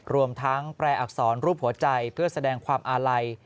รวมทั้งแปลอักษรรูปหัวใจเพื่อแสดงความอาลัย